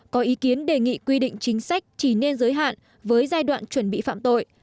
có ý kiến đề nghị quy định chính sách chỉ nên giới hạn với giai đoạn chuẩn bị phạm tội